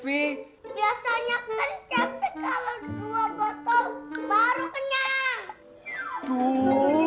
biasanya kan cantik kalau dua botol baru kenyang